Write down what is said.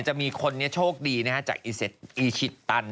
จะมีคนนี้โชคดีจากอีชิตตัน